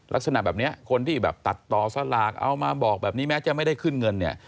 ลักษณะแบบนี้คนที่แบบตัดต่อสลากเอามาบอกแบบนี้แม้จะไม่ได้ขึ้นเงินเนี่ย